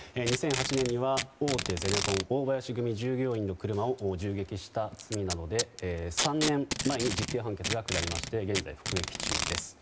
２００８年には大手ゼネコン大林組従業員の車を銃撃した罪などで、３年前に実刑判決が下りまして現在、服役中です。